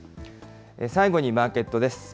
最後にマーケットです。